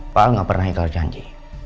pak al gak pernah ikat janji